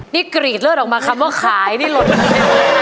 นี่กลีดเลิศออกมาคำว่าขายนี่หลุดเลย